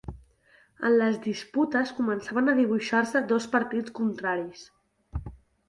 En les disputes començaven a dibuixar-se dos partits contraris.